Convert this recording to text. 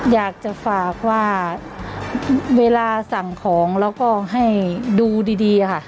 อยากจะฝากว่าเวลาสั่งของแล้วก็ให้ดูดีค่ะ